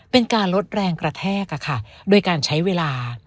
เป็นการลดแรงกระแทกโดยการใช้เวลา